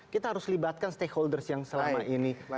kita harus libatkan stakeholders yang selama ini